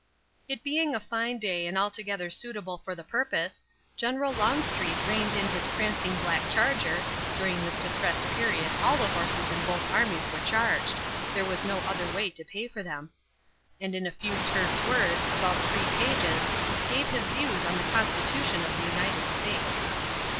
It being a fine day and altogether suitable for the purpose, General Longstreet reined in his prancing black charger (during this distressed period all the horses in both armies were charged: there was no other way to pay for them), and in a few terse words, about three pages, gave his views on the Constitution of the United States.